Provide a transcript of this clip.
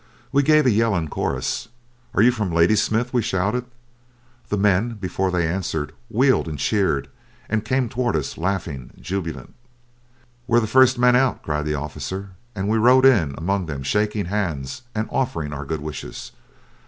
We gave a yell in chorus. "Are you from Ladysmith?" we shouted. The men, before they answered, wheeled and cheered, and came toward us laughing jubilant. "We're the first men out," cried the officer and we rode in among them, shaking hands and offering our good wishes.